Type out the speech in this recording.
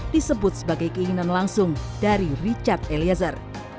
disebut sebagai keinginan langsung dari richard eliezer